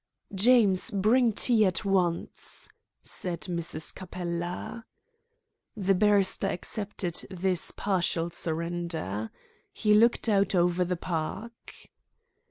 "James, bring tea at once," said Mrs. Capella. The barrister accepted this partial surrender. He looked out over the park.